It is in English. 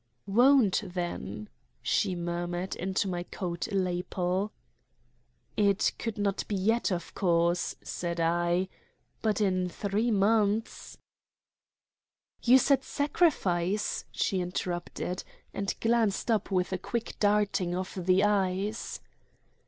"Won't, then," she murmured into my coat lapel. "It could not be yet, of course," said I. "But in three months " "You said sacrifice," she interrupted, and glanced up with a quick darting of the eyes.